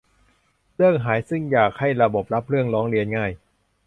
เรื่องหาย ซึ่งอยากให้ระบบรับเรื่องร้องเรียนง่าย